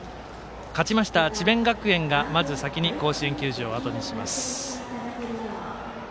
勝ちました智弁学園がまず先に甲子園球場をあとにします。